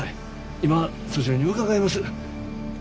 今そちらに伺います。